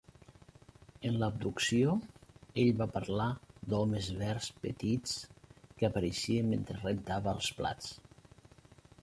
En l'"abducció", ell va parlar d'homes verds petits que apareixien mentre rentava els plats.